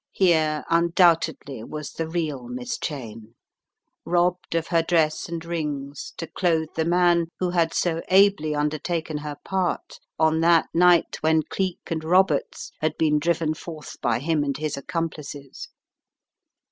Here, undoubtedly, was the real Miss Cheyne, robbed of her dress and rings, to clothe the man who had so ably undertaken her part on that night when Cleek and Roberts had been driven forth by him and his accomplices.